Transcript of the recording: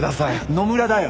野村だよ。